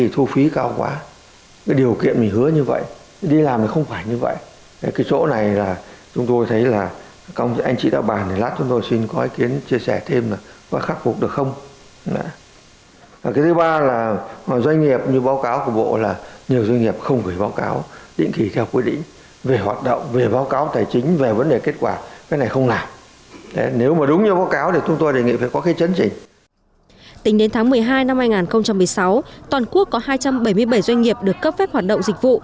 tính đến tháng một mươi hai năm hai nghìn một mươi sáu toàn quốc có hai trăm bảy mươi bảy doanh nghiệp được cấp phép hoạt động dịch vụ